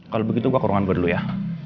kalo begitu gue ke ruangan gue dulu ya